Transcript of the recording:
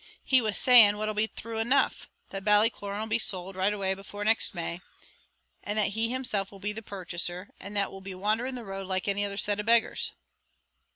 "He was saying what 'll be thrue enough, that Ballycloran 'll be sold, right away, before next May; and that he himself will be the purchaser and that we'll be wandering the road like any other set of beggars."